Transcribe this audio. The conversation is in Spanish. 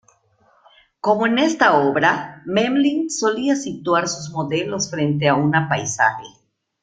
Como en esta obra, Memling solía situar sus modelos frente a una paisaje.